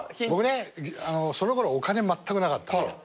僕ねそのころお金まったくなかった。